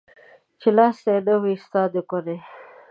چي لاستى يې نه واى ستا د کوني.